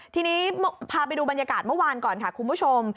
ทีนี้พาไปดูบรรยากาศเมื่อวานก่อนค่ะคุณผู้ชม